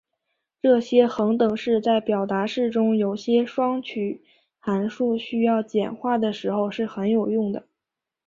这些恒等式在表达式中有些双曲函数需要简化的时候是很有用的。